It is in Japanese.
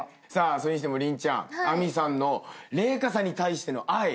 それにしても麟ちゃん明未さんの麗華さんに対しての愛。